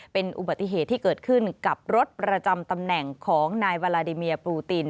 เป็นอุบัติเหตุที่เกิดขึ้นกับรถประจำตำแหน่งของนายวาลาดิเมียปลูติน